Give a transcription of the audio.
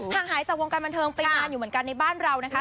หายจากวงการบันเทิงไปนานอยู่เหมือนกันในบ้านเรานะคะ